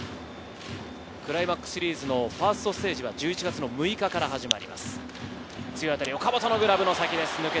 クライマックスシリーズのファーストステージが１１月の６日から始まります。